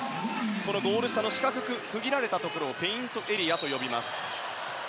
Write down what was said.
ゴール下の四角く区切られたところをペイントエリアと呼びます。